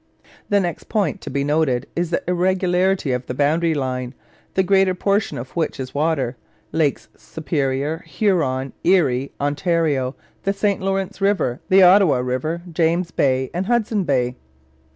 The next point to be noted is the irregularity of the boundary line, the greater portion of which is water Lakes Superior, Huron, Erie, Ontario, the St Lawrence River, the Ottawa River, James Bay, and Hudson Bay.